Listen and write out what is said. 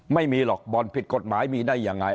ไม่มีหรอกบ่อนผิดกฎหมายมีได้ยังไง